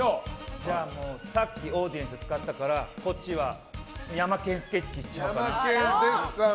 じゃあ、さっきオーディエンス使ったからこっちはヤマケン・スケッチいっちゃおうかな。